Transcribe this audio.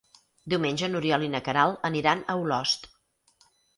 Diumenge n'Oriol i na Queralt aniran a Olost.